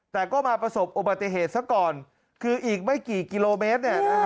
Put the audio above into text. แต่ก็มาประสบอุบัติเหตุซะก่อนคืออีกไม่กี่กิโลเมตรเนี่ยนะฮะ